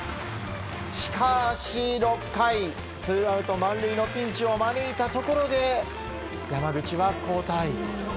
しかし、６回ツーアウト満塁のピンチを招いたところで山口は交代。